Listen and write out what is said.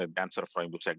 saya pikir itu cukup jelas